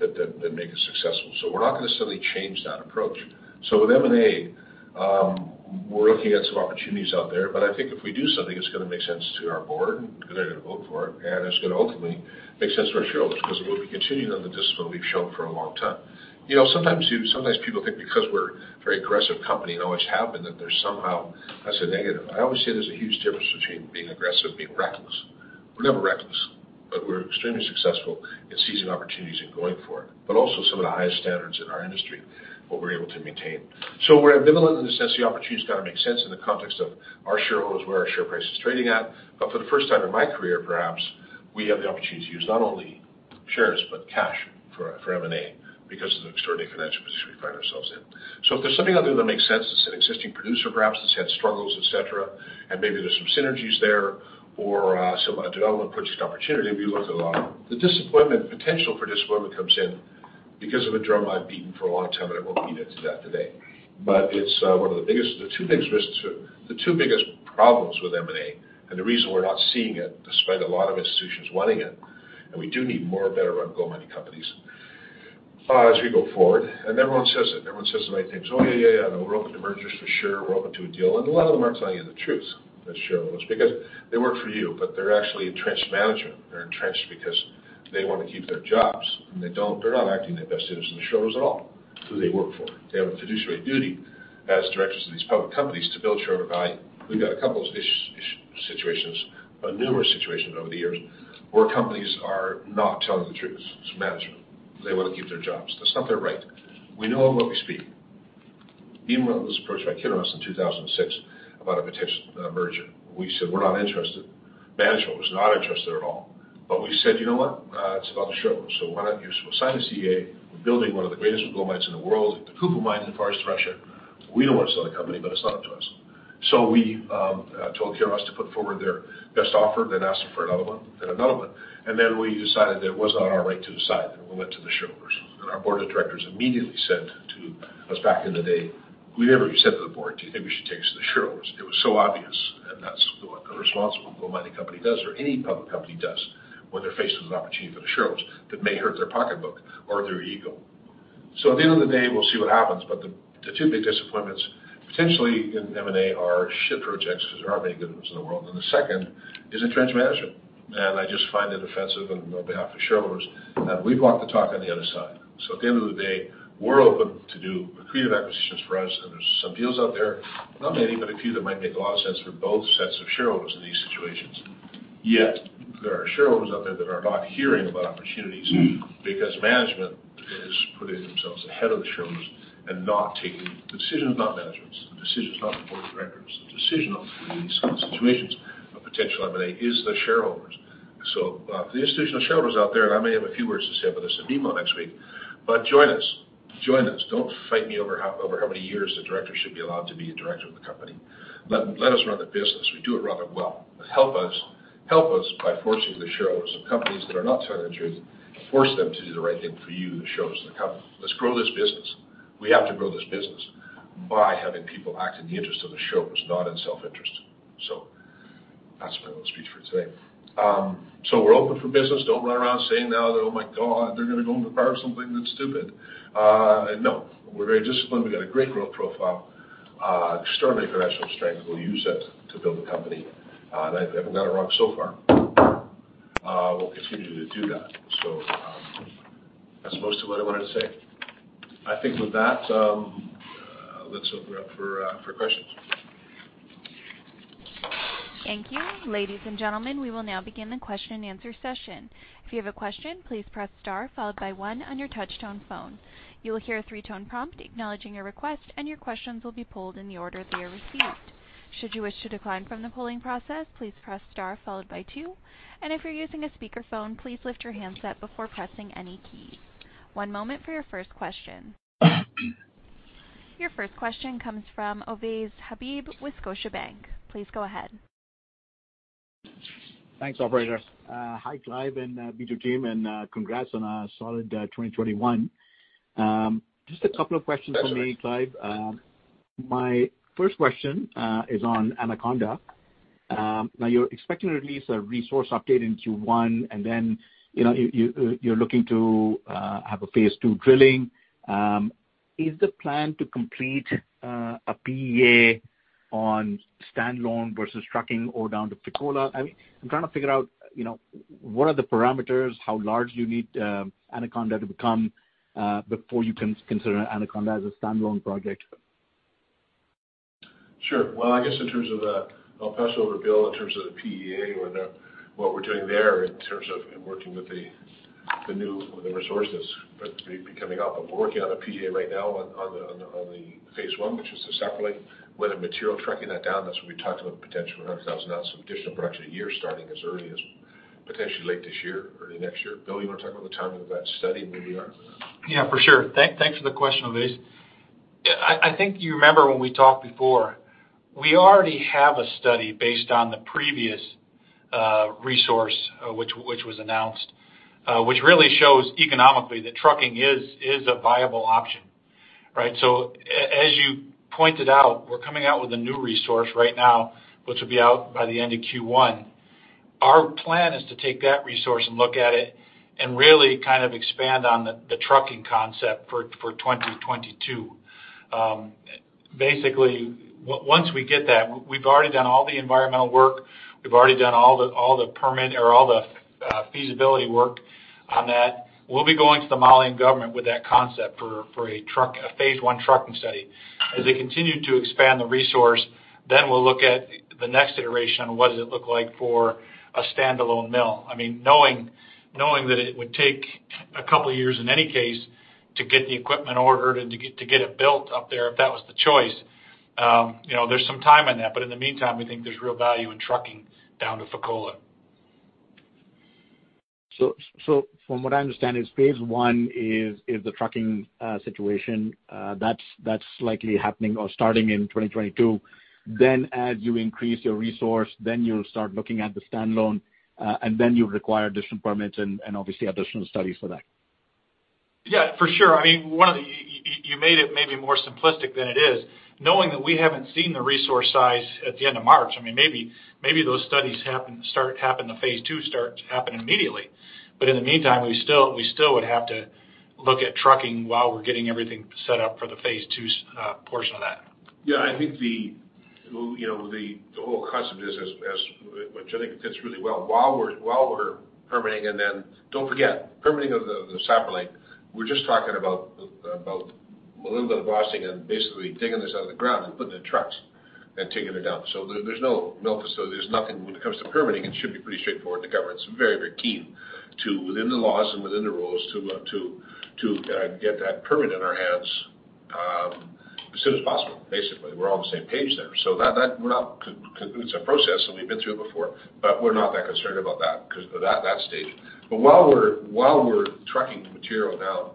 that make us successful. We're not gonna suddenly change that approach. With M&A, we're looking at some opportunities out there, but I think if we do something, it's gonna make sense to our board 'cause they're gonna vote for it, and it's gonna ultimately make sense for our shareholders because we'll be continuing on the discipline we've shown for a long time. You know, sometimes people think because we're a very aggressive company and always have been, that there's somehow that's a negative. I always say there's a huge difference between being aggressive and being reckless. We're never reckless, but we're extremely successful in seizing opportunities and going for it. Also some of the highest standards in our industry, what we're able to maintain. We're ambivalent in the sense the opportunity's gotta make sense in the context of our shareholders, where our share price is trading at. For the first time in my career, perhaps, we have the opportunity to use not only shares but cash for M&A because of the extraordinary financial position we find ourselves in. If there's something out there that makes sense, it's an existing producer, perhaps it's had struggles, et cetera, and maybe there's some synergies there or some development project opportunity we looked at a lot. The potential for disappointment comes in because of a drum I've beaten for a long time, and I won't beat it to death today. It's the two biggest risks or the two biggest problems with M&A and the reason we're not seeing it, despite a lot of institutions wanting it, and we do need more better run gold mining companies as we go forward, and everyone says it, everyone says the right things. Oh, yeah. No, we're open to mergers for sure. We're open to a deal." A lot of them aren't telling you the truth, the shareholders, because they work for you, but they're actually entrenched management. They're entrenched because they wanna keep their jobs, and they don't. They're not acting in the best interest of the shareholders at all, who they work for. They have a fiduciary duty as directors of these public companies to build shareholder value. We've got a couple of situations, numerous situations over the years where companies are not telling the truth. It's management. They wanna keep their jobs. That's not their right. We know of what we speak. Being one of those approached by Kinross in 2006 about a potential merger, we said, "We're not interested." Management was not interested at all. We said, "You know what? It's about the shareholders, so why don't you sign a CA? We're building one of the greatest gold mines in the world, the Kupol Mine in the Far East Russia. We don't wanna sell the company, but it's not up to us." We told Kinross to put forward their best offer, then asked them for another one, then another one, and then we decided that it was our right to decide, and we went to the shareholders. Our board of directors immediately said to us back in the day. We said to the board, "Do you think we should take this to the shareholders?" It was so obvious, and that's what a responsible gold mining company does or any public company does when they're faced with an opportunity for the shareholders that may hurt their pocketbook or their ego. At the end of the day, we'll see what happens, but the two big disappointments potentially in M&A are projects because there aren't many good ones in the world. The second is entrenched management, and I just find it offensive on behalf of shareholders, and we've walked the talk on the other side. At the end of the day, we're open to do accretive acquisitions for us, and there's some deals out there, not many, but a few that might make a lot of sense for both sets of shareholders in these situations. Yet, there are shareholders out there that are not hearing about opportunities because management is putting themselves ahead of the shareholders. The decision is not management's, the decision is not the board of directors, the decision on these kind of situations of potential M&A is the shareholders. For the institutional shareholders out there, and I may have a few words to say about this at BMO next week, but join us. Join us. Don't fight me over how many years a director should be allowed to be a director of the company. Let us run the business. We do it rather well. Help us. Help us by forcing the shareholders of companies that are not telling the truth, force them to do the right thing for you, the shareholders of the company. Let's grow this business. We have to grow this business by having people act in the interest of the shareholders, not in self-interest. That's my little speech for today. We're open for business. Don't run around saying now that, "Oh, my God, they're gonna go and acquire something that's stupid." No, we're very disciplined. We've got a great growth profile, extraordinary financial strength. We'll use it to build the company. I haven't got it wrong so far. We'll continue to do that. That's most of what I wanted to say. I think with that, let's open it up for questions. Thank you. Ladies and gentlemen, we will now begin the question and answer session. If you have a question, please press star followed by one on your touchtone phone. You will hear a three-tone prompt acknowledging your request, and your questions will be pulled in the order they are received. Should you wish to decline from the polling process, please press star followed by two. If you're using a speakerphone, please lift your handset before pressing any keys. One moment for your 1st question. Your 1st question comes from Ovais Habib with Scotiabank. Please go ahead. Pleasure. My 1st question is on Anaconda. Now you're expecting to release a resource update in Q1, and then, you know, you're looking to have a phase two drilling. Is the plan to complete a PEA on standalone versus trucking ore down to Fekola? I'm trying to figure out, you know, what are the parameters, how large you need Anaconda to become before you can consider Anaconda as a standalone project? Sure. Well, I guess in terms of the I'll pass it over to Bill in terms of the PEA or the, what we're doing there in terms of working with the new resources. But we're working on a PEA right now on the phase one, which is the saprolite, weathered material trucking that down. That's what we talked about, the potential 100,000 ounces of additional production a year starting as early as potentially late this year, early next year. Bill, you wanna talk about the timing of that study and where we are? Yeah, for sure. Thanks for the question, Ovais. I think you remember when we talked before, we already have a study based on the previous resource, which was announced, which really shows economically that trucking is a viable option, right? As you pointed out, we're coming out with a new resource right now, which will be out by the end of Q1. Our plan is to take that resource and look at it and really kind of expand on the trucking concept for 2022. Basically, once we get that, we've already done all the environmental work, we've already done all the permitting and all the feasibility work on that. We'll be going to the Malian government with that concept for a phase one trucking study. As they continue to expand the resource, we'll look at the next iteration on what does it look like for a standalone mill. I mean, knowing that it would take a couple of years in any case to get the equipment ordered and to get it built up there if that was the choice, you know, there's some time in that. In the meantime, we think there's real value in trucking down to Fekola. From what I understand, phase one is the trucking situation that's likely happening or starting in 2022. As you increase your resource, you'll start looking at the standalone, and then you require additional permits and obviously additional studies for that. Yeah, for sure. I mean, you made it maybe more simplistic than it is. Knowing that we haven't seen the resource size at the end of March, I mean, maybe those studies start happening, the phase two starts happening immediately. In the meantime, we still would have to look at trucking while we're getting everything set up for the phase two portion of that. Yeah, I think you know the whole concept is which I think fits really well while we're permitting and then don't forget permitting of the saprolite. We're just talking about a little bit of blasting and basically digging this out of the ground and putting the trucks and taking it down. There's no mill, so there's nothing when it comes to permitting. It should be pretty straightforward. The government's very, very keen, within the laws and within the rules, to get that permit in our hands as soon as possible, basically. We're all on the same page there. It's a process, and we've been through it before, but we're not that concerned about that because at that stage. While we're trucking the material down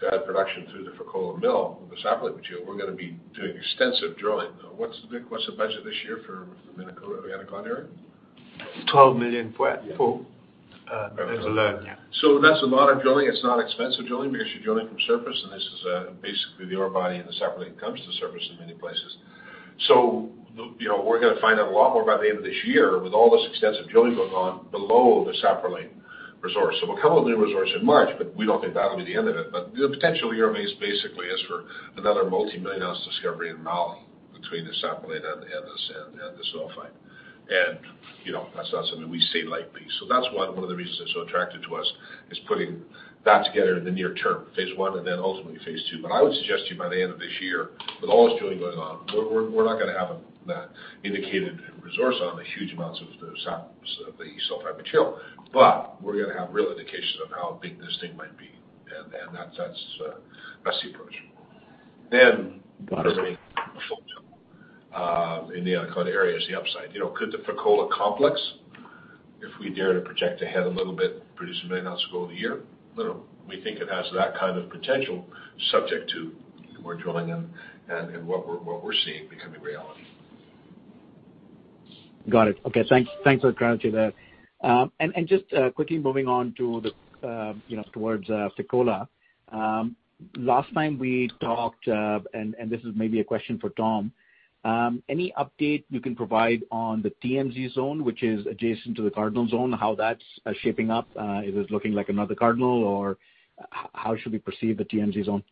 to add production through the Fekola mill with the saprolite material, we're gonna be doing extensive drilling. What's the budget this year for the Menankoto, Anaconda area? $12 million as a loan, yeah. That's a lot of drilling. It's not expensive drilling because you're drilling from surface, and this is basically the ore body, and the saprolite comes to the surface in many places. You know, we're gonna find out a lot more by the end of this year with all this extensive drilling going on below the saprolite resource. We'll come up with a new resource in March, but we don't think that'll be the end of it. The potential here remains basically is for another multi-million ounce discovery in Mali between the saprolite and the sulfide. You know, that's not something we say lightly. That's one of the reasons it's so attractive to us is putting that together in the near term, phase one and then ultimately phase two. I would suggest to you by the end of this year, with all this drilling going on, we're not gonna have an indicated resource on the huge amounts of the samples of the sulfide material, but we're gonna have real indications on how big this thing might be. That's the approach. I mean, in the Anaconda area is the upside. You know, could the Fekola complex, if we dare to project ahead a little bit, produce 1 million ounces gold a year? We think it has that kind of potential subject to more drilling and what we're seeing becoming reality. Got it. Okay. Thanks for clarifying that. Just quickly moving on to the you know towards Fekola, last time we talked, and this is maybe a question for Tom, any update you can provide on the FMZ zone, which is adjacent to the Cardinal zone, how that's shaping up? Is it looking like another Cardinal, or how should we perceive the FMZ zone?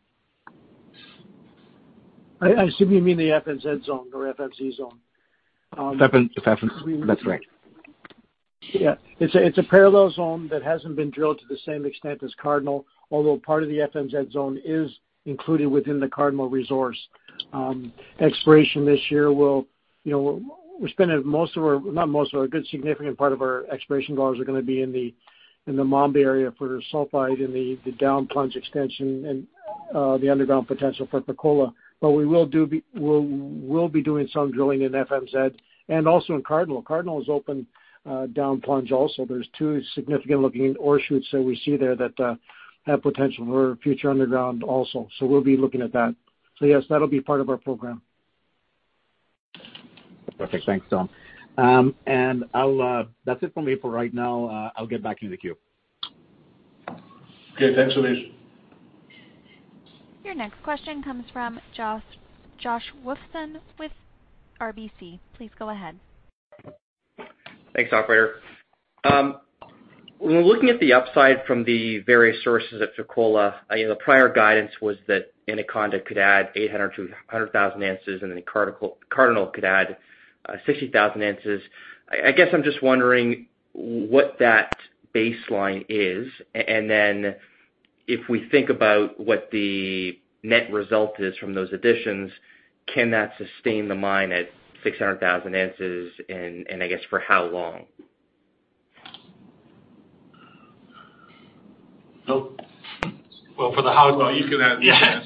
I assume you mean the FMZ zone. FMZ. That's right. Yeah. It's a parallel zone that hasn't been drilled to the same extent as Cardinal, although part of the FMZ zone is included within the Cardinal resource. Exploration this year, we're spending a good significant part of our exploration dollars are gonna be in the Mamba area for sulfide in the down plunge extension and the underground potential for Fekola. But we'll be doing some drilling in FMZ and also in Cardinal. Cardinal is open down plunge also. There's two significant-looking ore shoots that we see there that have potential for future underground also. We'll be looking at that. Yes, that'll be part of our program. Perfect. Thanks, Tom. That's it for me for right now. I'll get back in the queue. Okay. Thanks, Ovais Habib. Your next question comes from Josh Wolfson with RBC. Please go ahead. Thanks, operator. When we're looking at the upside from the various sources at Fekola, you know, prior guidance was that Anaconda could add 800 to 100,000 ounces, and then Cardinal could add 60,000 ounces. I guess I'm just wondering what that baseline is. If we think about what the net result is from those additions, can that sustain the mine at 600,000 ounces, and I guess for how long? So- Well, for the how Well, you can answer the. Yeah.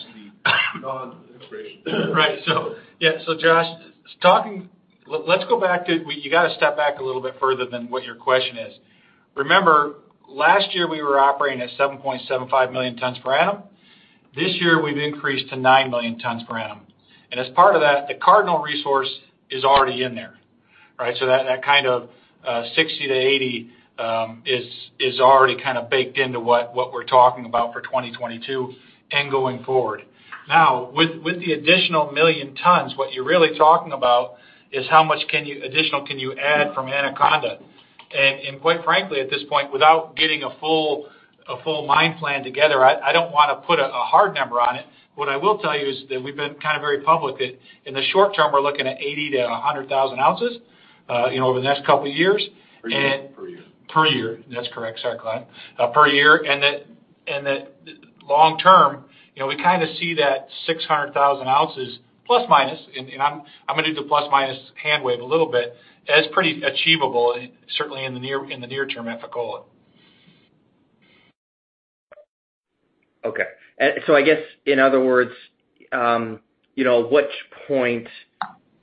Non-exploration. Right. Josh, let's go back to. You gotta step back a little bit further than what your question is. Remember, last year, we were operating at 7.75 million tons per annum. This year, we've increased to 9 million tons per annum. As part of that, the Cardinal resource is already in there. Right? That kind of 60-80 is already kinda baked into what we're talking about for 2022 and going forward. Now, with the additional 1 million tons, what you're really talking about is how much additional can you add from Anaconda? Quite frankly, at this point, without getting a full mine plan together, I don't wanna put a hard number on it. What I will tell you is that we've been kind of very public that in the short term, we're looking at 80,000-100,000 ounces, you know, over the next couple of years. Per year. Per year. That's correct. Sorry, Clive. Per year, and that long term, you know, we kinda see that 600,000 ounces plus minus, and I'm gonna do the plus minus hand wave a little bit, as pretty achievable, certainly in the near term at Fekola. Okay. I guess, in other words, you know, at which point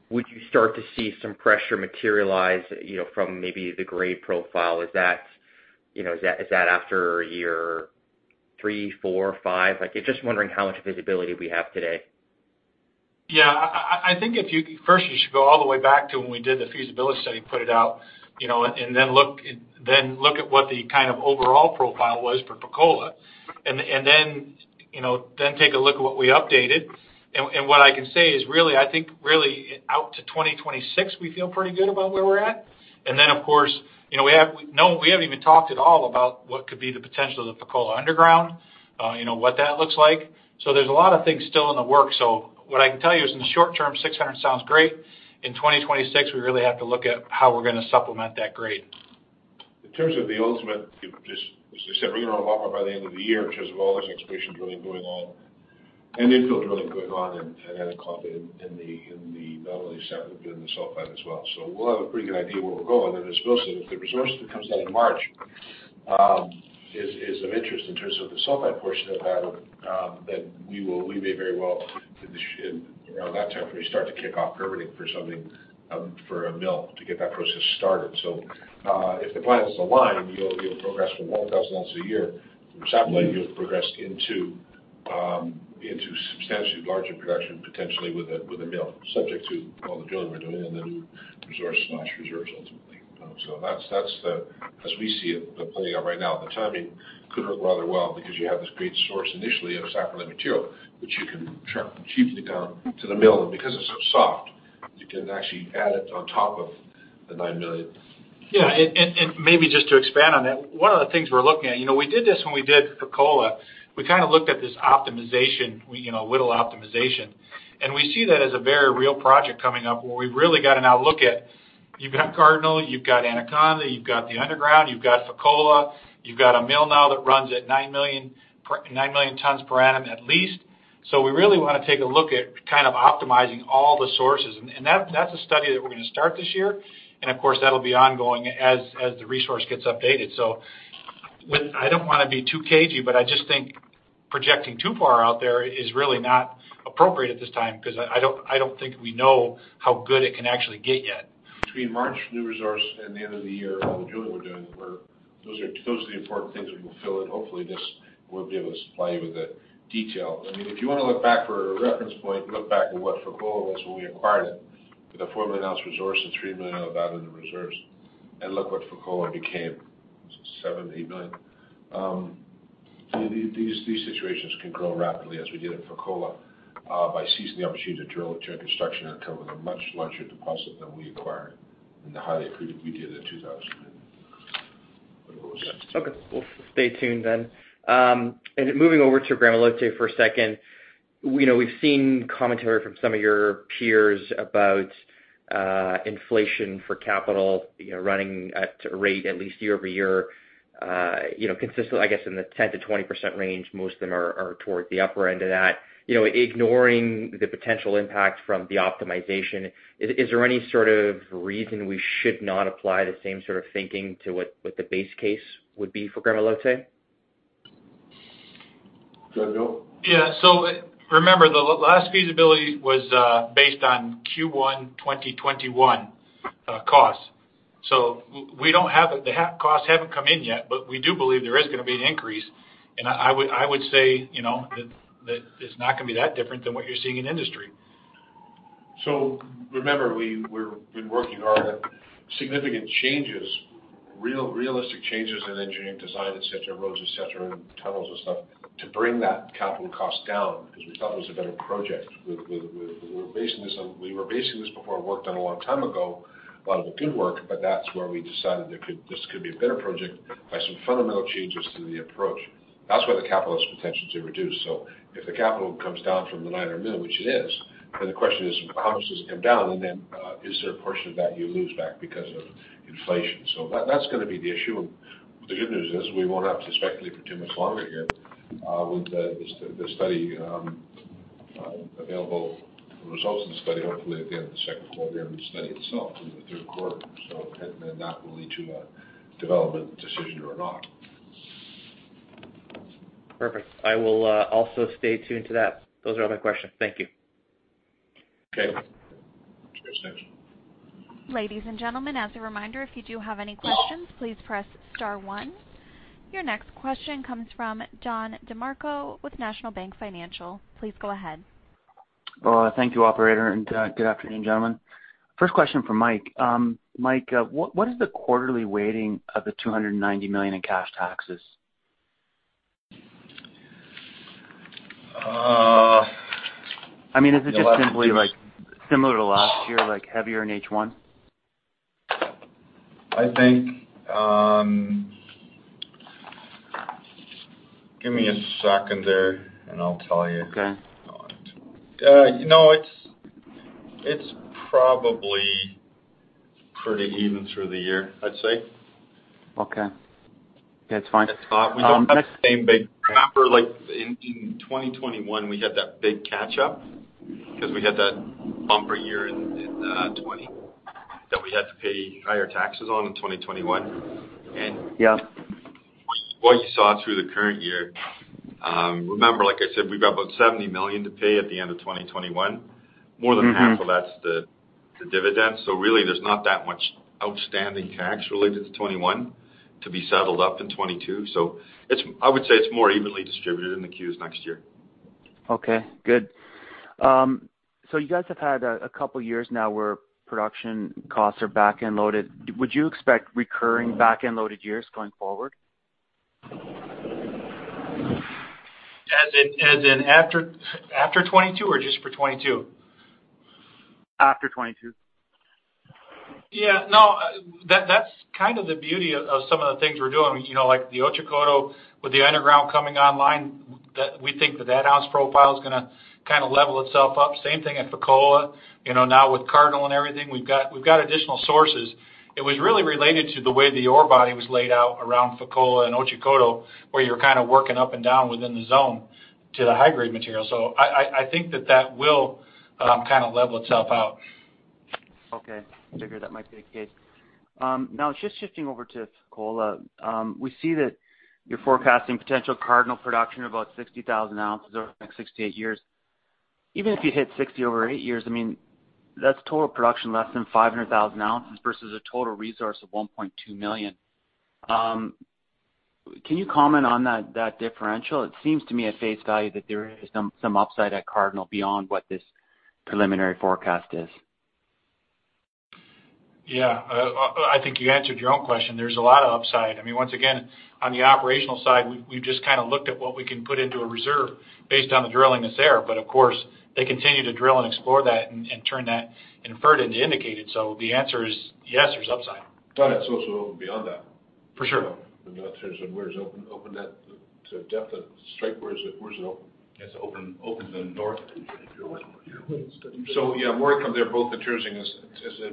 would you start to see some pressure materialize, you know, from maybe the grade profile? Is that after year three, four, five,? Like, you're just wondering how much visibility we have today. Yeah. I think if you first you should go all the way back to when we did the feasibility study, put it out, you know, and then look at what the kind of overall profile was for Fekola. Then, you know, take a look at what we updated. What I can say is really, I think, really out to 2026, we feel pretty good about where we're at. Then, of course, you know, we haven't even talked at all about what could be the potential of Fekola underground, you know, what that looks like. There's a lot of things still in the works. What I can tell you is in the short term, 600 sounds great. In 2026, we really have to look at how we're gonna supplement that grade. In terms of the ultimate, just as I said, we're gonna wrap up by the end of the year, with as well as exploration drilling going on and infill drilling going on and we had confidence in the material they sampled in the sulfide as well. We'll have a pretty good idea where we're going. As Bill said, if the resource that comes out in March is of interest in terms of the sulfide portion of that, then we will. We may very well, in and around that time, start to kick off permitting for something for a mill to get that process started. If the plans align, we'll progress from 1,000 ounces a year. From satellite, you'll progress into substantially larger production, potentially with a mill subject to all the drilling we're doing and the new resource/reserves ultimately. So that's the plan. As we see it, the plan in place right now, the timing could work rather well because you have this great source initially of satellite material, which you can truck cheaply down to the mill. Because it's so soft, you can actually add it on top of the 9 million. Yeah. Maybe just to expand on that, one of the things we're looking at, you know, we did this when we did Fekola. We kinda looked at this optimization, you know, Whittle optimization. We see that as a very real project coming up, where we've really got to now look at, you've got Cardinal, you've got Anaconda, you've got the underground, you've got Fekola, you've got a mill now that runs at 9 million tons per annum at least. We really wanna take a look at kind of optimizing all the sources. That's a study that we're gonna start this year. Of course, that'll be ongoing as the resource gets updated. With I don't wanna be too cagey, but I just think projecting too far out there is really not appropriate at this time because I don't think we know how good it can actually get yet. Between March new resource and the end of the year, all the drilling we're doing. Those are the important things we will fill in. Hopefully, this, we'll be able to supply you with the details. I mean, if you wanna look back for a reference point, look back at what Fekola was when we acquired it with a 4 million ounce resource and 3 million of that in the reserves. Look what Fekola became, 7 million-8 million. So these situations can grow rapidly as we did at Fekola, by seizing the opportunity to drill, to construction, and come with a much larger deposit than we acquired in the highly accretive we did in 2000 and whatever it was. Okay. We'll stay tuned then. Moving over to Gramalote for a second, you know, we've seen commentary from some of your peers about inflation for capital, you know, running at a rate at least year-over-year, consistent, I guess, in the 10%-20% range, most of them are towards the upper end of that. You know, ignoring the potential impact from the optimization, is there any sort of reason we should not apply the same sort of thinking to what the base case would be for Gramalote? Go ahead, Bill. Remember, the last feasibility was based on Q1 2021 costs. We don't have it. Costs haven't come in yet, but we do believe there is gonna be an increase. I would say, you know, that it's not gonna be that different than what you're seeing in industry. Remember, we've been working hard at significant changes, realistic changes in engineering design, et cetera, roads, et cetera, and tunnels and stuff to bring that capital cost down because we thought it was a better project. We were basing this on work done a long time ago, a lot of the good work, but that's where we decided this could be a better project by some fundamental changes to the approach. That's why the capital has potential to reduce. If the capital comes down from the $900 million, which it is, then the question is, how much does it come down? Is there a portion of that you lose back because of inflation? That's gonna be the issue. The good news is we won't have to speculate for too much longer here, with the study available. The results of the study, hopefully at the end of the 2nd quarter, and the study itself in the 3rd quarter. That will lead to a development decision or not. Perfect. I will also stay tuned to that. Those are all my questions. Thank you. Okay. Thanks. Ladies and gentlemen, as a reminder, if you do have any questions, please press star one. Your next question comes from Don DeMarco with National Bank Financial. Please go ahead. Thank you, operator, and good afternoon, gentlemen. 1st question for Mike. Mike, what is the quarterly weighting of the $290 million in cash taxes? I mean, is it just simply like similar to last year, like heavier in H1? I think, give me a second there and I'll tell you. Okay. You know, it's probably pretty even through the year, I'd say. Okay. Yeah, it's fine. Remember, like in 2021, we had that big catch up because we had that bumper year in 2020 that we had to pay higher taxes on in 2021. Yeah. What you saw through the current year, remember, like I said, we've got about $70 million to pay at the end of 2021. Mm-hmm. More than half of that's the dividend. Really there's not that much outstanding tax related to 2021 to be settled up in 2022. I would say it's more evenly distributed in the Q's next year. Okay, good. You guys have had a couple years now where production costs are back end loaded. Would you expect recurring back end loaded years going forward? As in after 2022 or just for 2022? After 22. Yeah. No, that's kind of the beauty of some of the things we're doing, you know, like the Otjikoto with the underground coming online that we think that cost profile is gonna kind of level itself up. Same thing at Fekola. You know, now with Cardinal and everything, we've got additional sources. It was really related to the way the ore body was laid out around Fekola and Otjikoto, where you're kind of working up and down within the zone to the high grade material. I think that will kind of level itself out. Okay. I figured that might be the case. Now just shifting over to Fekola. We see that you're forecasting potential Cardinal production of about 60,000 ounces over the next 68 years. Even if you hit 60 over eight years, I mean, that's total production less than 500,000 ounces versus a total resource of 1.2 million. Can you comment on that differential? It seems to me at face value that there is some upside at Cardinal beyond what this preliminary forecast is. Yeah. I think you answered your own question. There's a lot of upside. I mean, once again, on the operational side, we've just kind of looked at what we can put into a reserve based on the drilling that's there. But of course, they continue to drill and explore that and turn that inferred into indicated. The answer is yes, there's upside. Don, it's also open beyond that. For sure. In other terms, where's open to depth of strike, where's it open? It's open to the north. Yeah, more to come there, both the drilling is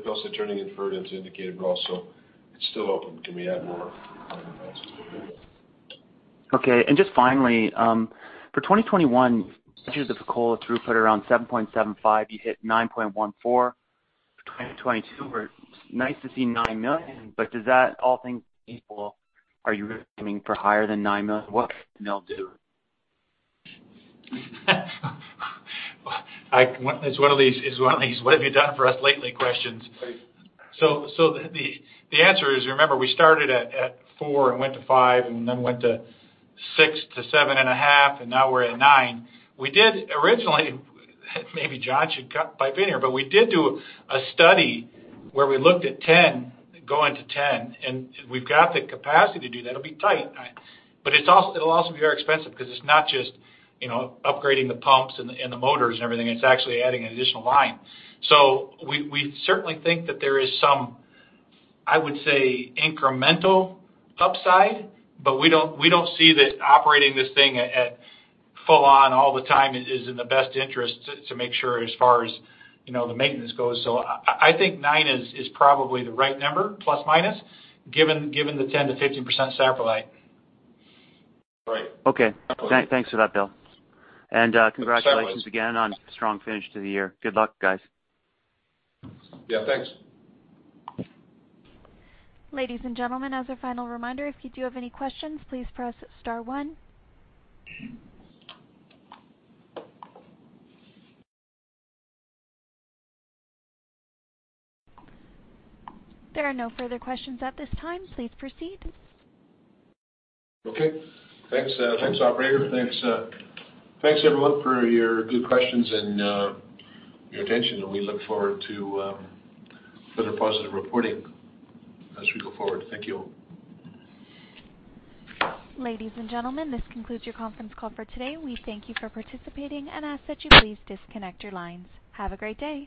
also turning inferred into indicated, but also it's still open. Can we add more? Okay. Just finally, for 2021, you had the Fekola throughput around 7.75, you hit 9.14. For 2022, it's nice to see 9 million, but all things equal. Are you aiming for higher than 9 million? What can you do? It's one of these, what have you done for us lately questions. Right. The answer is, remember we started at four and went to five and then went to six to 7.5, and now we're at 9. We did originally, maybe John should pipe in here, but we did do a study where we looked at 10, going to 10, and we've got the capacity to do that. It'll be tight. It's also, it'll also be very expensive because it's not just, you know, upgrading the pumps and the motors and everything. It's actually adding an additional line. We certainly think that there is some, I would say, incremental upside, but we don't see that operating this thing at full on all the time is in the best interest to make sure as far as, you know, the maintenance goes. I think nine is probably the right number, plus-minus, given the 10%-15% saprolite. Right. Okay. Thanks for that, Bill. Congratulations again on strong finish to the year. Good luck, guys. Yeah, thanks. Ladies and gentlemen, as a final reminder, if you do have any questions, please press star one. There are no further questions at this time. Please proceed. Okay. Thanks, operator. Thanks, everyone for your good questions and your attention. We look forward to further positive reporting as we go forward. Thank you. Ladies and gentlemen, this concludes your conference call for today. We thank you for participating and ask that you please disconnect your lines. Have a great day.